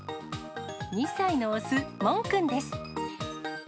２歳の雄、もん君です。